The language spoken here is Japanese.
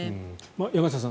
山下さん